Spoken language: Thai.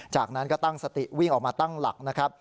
จากนั้นก็ตั้งสติวิ่งออกมาตั้งหลักนะครับ